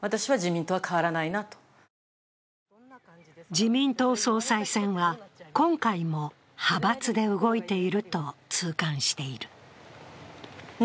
自民党総裁選は今回も派閥で動いていると痛感している。